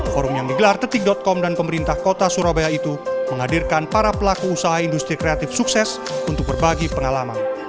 forum yang digelar detik com dan pemerintah kota surabaya itu menghadirkan para pelaku usaha industri kreatif sukses untuk berbagi pengalaman